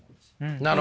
なるほど。